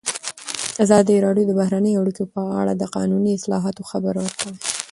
ازادي راډیو د بهرنۍ اړیکې په اړه د قانوني اصلاحاتو خبر ورکړی.